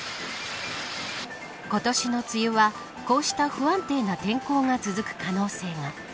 今年の梅雨はこうした不安定な天候が続く可能性が。